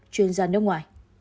chuyên gia nước ngoài